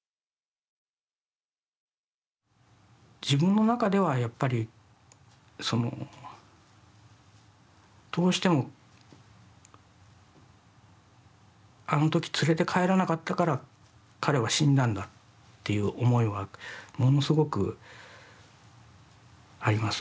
自分の中ではやっぱりどうしてもあの時連れて帰らなかったから彼は死んだんだっていう思いはものすごくあります。